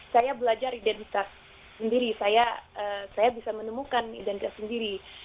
saya belajar identitas sendiri saya bisa menemukan identitas sendiri